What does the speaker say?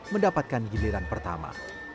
mendapatkan giliran pertama